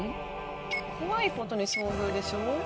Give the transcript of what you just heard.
怖い事に遭遇でしょ？